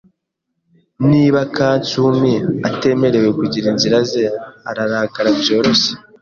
Niba Katsumi atemerewe kugira inzira ze, ararakara byoroshye.